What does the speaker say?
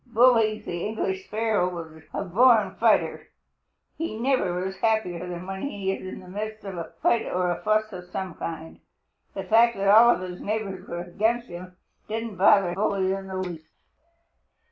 Bully the English Sparrow is a born fighter. He never is happier than when he is in the midst of a fight or a fuss of some kind. The fact that all his neighbors were against him didn't bother Bully in the least.